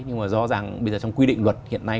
nhưng mà rõ ràng bây giờ trong quy định luật hiện nay